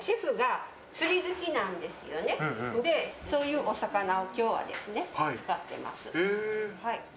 そういうお魚を今日は使っています。